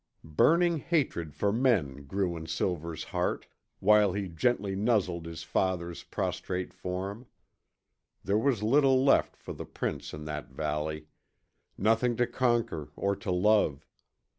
Burning hatred for men grew in Silver's heart while he gently nuzzled his father's prostrate form. There was little left for the prince in that valley. Nothing to conquer or to love.